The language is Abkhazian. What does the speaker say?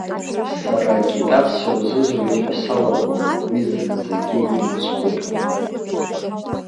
Сара агитациа узызуеит ҳәа салагом, уи зынӡагьы имыцхәуп.